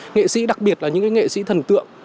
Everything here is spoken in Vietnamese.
nghệ sĩ đặc biệt là những nghệ sĩ thần tượng